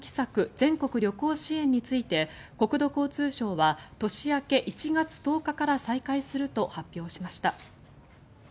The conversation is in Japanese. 全国旅行支援について国土交通省は年明け１月１０日から再開すると発表しました。